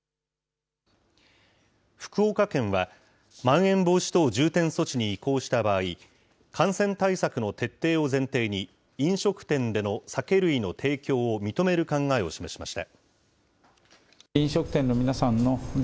福岡県は、まん延防止等重点措置に移行した場合、感染対策の徹底を前提に、飲食店での酒類の提供を認める考えを示しました。